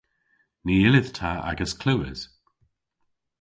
Ny yllydh ta agas klewes.